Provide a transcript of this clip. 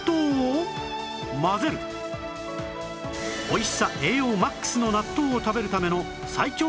おいしさ栄養 ＭＡＸ の納豆を食べるための最強の混ぜ方